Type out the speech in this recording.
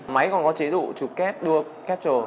máy còn có chế độ chụp kép đua capture